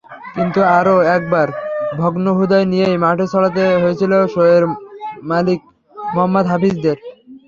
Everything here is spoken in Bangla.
কিন্তু আরও একবার ভগ্নহূদয় নিয়েই মাঠ ছাড়তে হয়েছিল শোয়েব মালিক, মোহাম্মদ হাফিজদের।